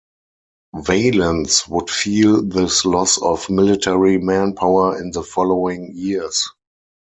Valens would feel this loss of military manpower in the following years.